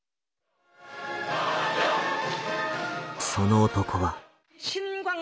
その男は。